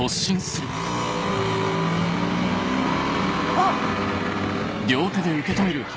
あっ！